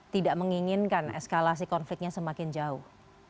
tidak menginginkan eskalasi konfliknya semakin jauh